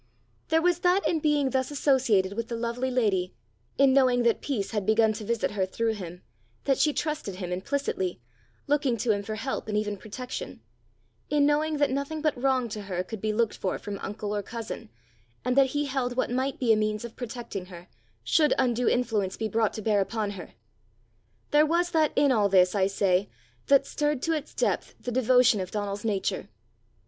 There was that in being thus associated with the lovely lady; in knowing that peace had begun to visit her through him, that she trusted him implicitly, looking to him for help and even protection; in knowing that nothing but wrong to her could be looked for from uncle or cousin, and that he held what might be a means of protecting her, should undue influence be brought to bear upon her there was that in all this, I say, that stirred to its depth the devotion of Donal's nature.